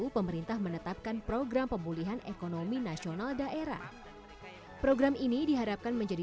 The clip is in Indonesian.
pemerintah menetapkan program pemulihan ekonomi nasional daerah program ini diharapkan menjadi